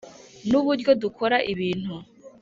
nuburyo dukora ibintu.